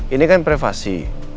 ini kan privasi